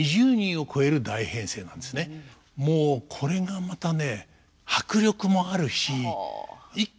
もうこれがまたね